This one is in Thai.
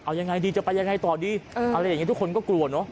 เอายังไงดีจะไปยังไงต่อดีอะไรอย่างนี้ทุกคนก็กลัวเนอะ